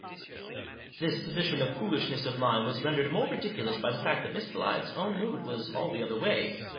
This foolishness of mine was rendered more ridiculous by the fact that Miss Blyth's own mood was all the other way.